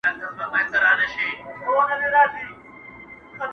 خدایه مینه د قلم ور کړې په زړو کي ,